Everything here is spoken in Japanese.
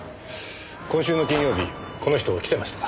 今週の金曜日この人来てましたか？